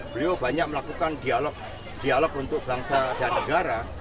beliau banyak melakukan dialog untuk bangsa dan negara